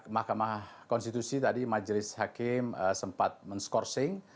mahkamah konstitusi tadi majelis hakim sempat mensebutkan